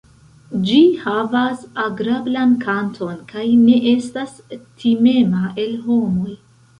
Ĝi havas agrablan kanton kaj ne estas timema el homoj.